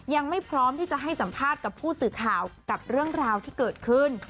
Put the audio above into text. ยังไม่พร้อมที่จะให้สัมภาษณ์กับผู้สื่อข่าวกับเรื่องราวที่เกิดขึ้น